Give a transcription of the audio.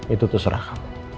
itu terserah kamu